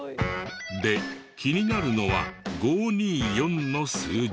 で気になるのは５２４の数字。